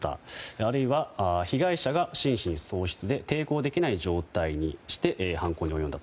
あるいは、被害者が心神喪失で抵抗できない状態にして犯行に及んだと。